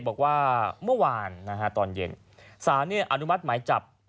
บอกว่าเมื่อวานนะฮะตอนเย็นสารอนุมัติหมายจับ